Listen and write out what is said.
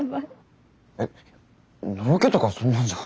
えっのろけとかそんなんじゃ。